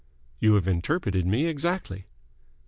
"You have interpreted me exactly."